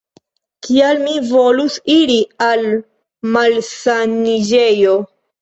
Kial mi volus iri al malsaniĝejo?